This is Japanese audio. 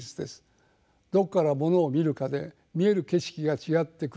どこからものを見るかで見える景色が違ってくる。